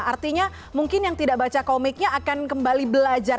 artinya mungkin yang tidak baca komiknya akan kembali belajar